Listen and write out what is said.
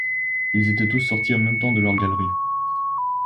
Ils étaient tous sortis en même temps de leurs galeries.